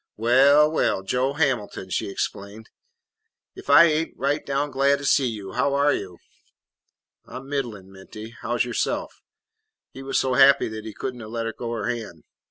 "Well, well, Joe Hamilton," she exclaimed, "if I ain't right down glad to see you! How are you?" "I 'm middlin', Minty. How 's yourself?" He was so happy that he could n't let go her hand.